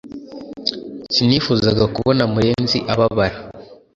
Sinifuzaga kubona murenzi ababara